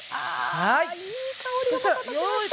あいい香りがまた立ちました。